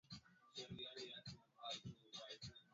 Kuvimba tumbo kwa Kondoo ni dalili ya ugonjwa wa minyoo